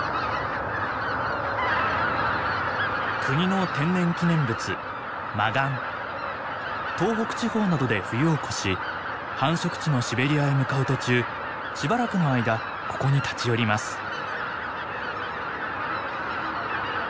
国の天然記念物東北地方などで冬を越し繁殖地のシベリアへ向かう途中しばらくの間ここに立ち寄ります。